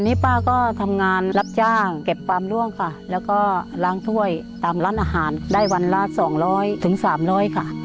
เสร็จกว่าจะไปทำงานค่ะ